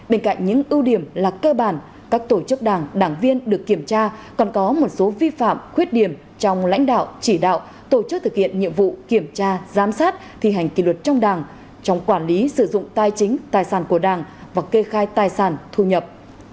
bên cạnh những ưu điểm là cơ bản các tổ chức đảng đảng viên được kiểm tra còn có một số vi phạm khuyết điểm trong lãnh đạo chỉ đạo tổ chức thực hiện nhiệm vụ kiểm tra giám sát thi hành kỳ luật trong đảng trong quản lý sử dụng tài chính tài sản của đảng và kê khai tài sản thu nhập